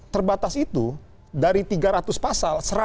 terbatas itu dari tiga ratus pasal